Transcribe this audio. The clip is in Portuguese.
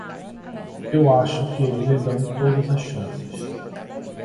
Eu acho que eles lhe dão todas as chances.